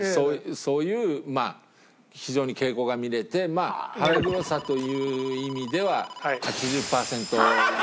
そういうまあ非常に傾向が見れて腹黒さという意味では８０パーセント以上。